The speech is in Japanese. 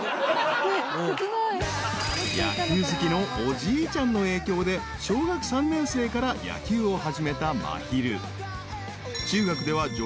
［野球好きのおじいちゃんの影響で小学３年生から野球を始めたまひる］